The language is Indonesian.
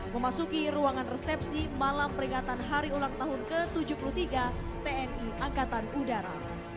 memasuki ruangan resepsi malam peringatan hari ulang tahun ke tujuh puluh tiga tni angkatan udara